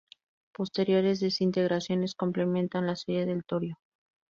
Posteriores desintegraciones complementan la serie del torio.